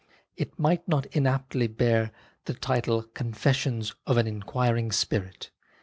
It might not inaptly bear the title " Confessions of an Inquiring Spirit."